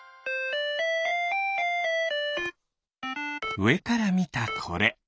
うえからみたこれ。